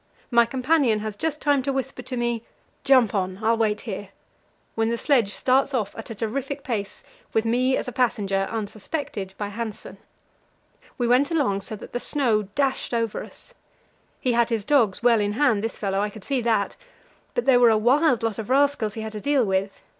My companion has just time to whisper to me, "Jump on; I'll wait here," when the sledge starts off at a terrific pace with me as a passenger, unsuspected by Hanssen. We went along so that the snow dashed over us. He had his dogs well in hand, this fellow, I could see that; but they were a wild lot of rascals he had to deal with.